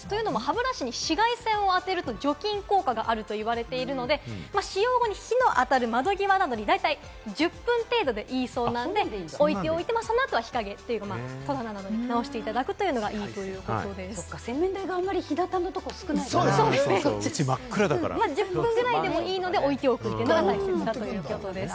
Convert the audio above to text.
歯ブラシに紫外線を当てると除菌効果があると言われているので、使用後に日の当たる窓際などに大体１０分程度でいいそうなので、置いておいて、その後は日陰戸棚などになおしていただくのがいいという洗面台があまり日なたのとこ１０分くらいでもいいので、置いておくのが大切だということです。